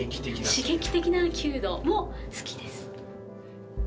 刺激的な９℃も好きです。